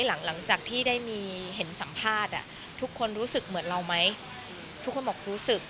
หลังจากที่ได้มีเห็นสัมภาษณ์ทุกคนรู้สึกเหมือนเราไหมทุกคนบอกรู้สึก